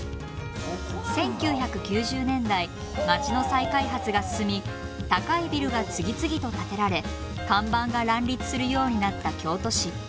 １９９０年代街の再開発が進み高いビルが次々と建てられ看板が乱立するようになった京都市。